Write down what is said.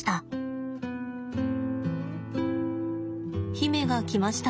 媛が来ました。